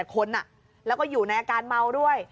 คนแล้วก็อยู่ในอาการเมาด้วย